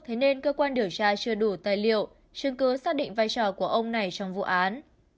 thế nên cơ quan điều tra chưa đủ tài liệu chứng cứ xác định vai trò của ông này trong vụ án